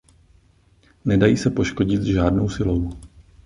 Nedají se poškodit žádnou silou.